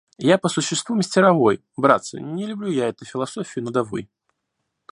Я по существу мастеровой, братцы, не люблю я этой философии нудовой.